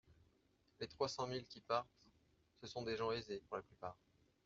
Les trois cent mille qui partent, ce sont des gens aisés, pour la plupart.